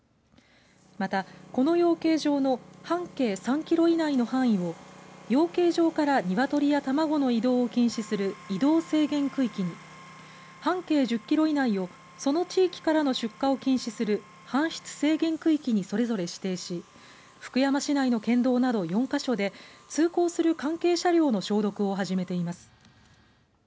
また、この養鶏場の半径３キロ以内の範囲を養鶏場からニワトリや卵の移動を禁止する移動制限区域に半径１０キロ以内をその地域からの出荷を禁止する搬出制限区域にそれぞれ指定し福山市内の県道など４か所で通行する関係車両の消毒を始めています。